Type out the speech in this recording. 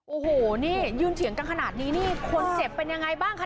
โอ้โหนี่ยืนเถียงกันขนาดนี้นี่คนเจ็บเป็นยังไงบ้างคะ